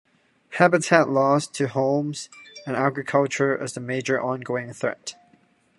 Habitat loss to homes and agriculture is the major ongoing threat.